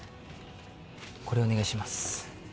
これお願いします